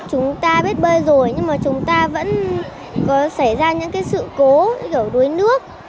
chúng ta biết bơi rồi nhưng mà chúng ta vẫn có xảy ra những sự cố như kiểu đuối nước